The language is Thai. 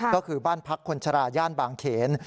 ก็คือบ้านพักคนชราย่านบางเขน